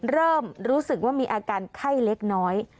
เริ่มรู้สึกว่ามีอาการไข้เล็กน้อย